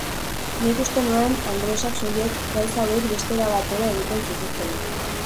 Nik uste nuen anglosaxoiek gauza hauek beste era batera egiten zituztela!